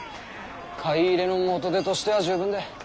買い入れの元手としては十分だ。